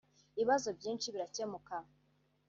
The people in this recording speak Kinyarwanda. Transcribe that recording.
ibibazo byinshi birakemuka